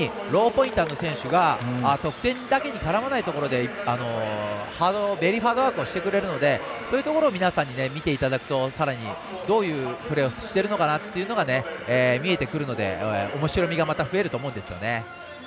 特にローポインターの選手が得点だけに絡まないところでベリーハードワークをしてくれるのでそういうところを皆さんに見ていただくとどういうプレーをしているのかなっていうのが見えてくるのでおもしろみがまた増えると思うんですよね。